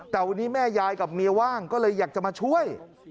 แต่วันนี้แม่ยายกับเมียว่างก็เลยอยากจะมาช่วย